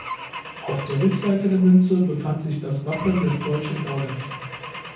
Auf der Rückseite der Münze befand sich das Wappen des Deutschen Ordens.